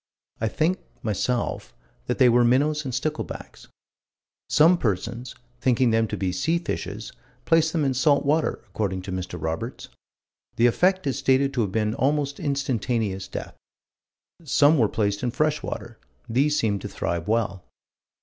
I think, myself, that they were minnows and sticklebacks. Some persons, thinking them to be sea fishes, placed them in salt water, according to Mr. Roberts. "The effect is stated to have been almost instantaneous death." "Some were placed in fresh water. These seemed to thrive well."